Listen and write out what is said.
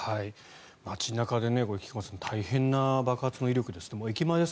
街中で菊間さん大変な爆発の威力ですね。